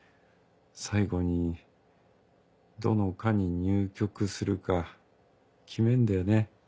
最後にどの科に入局するか決めるんだよね。